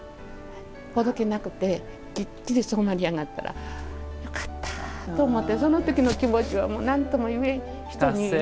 ほどけなくてきっちり染まり上がったらよかったと思ってその時の気持ちはなんともいえないです。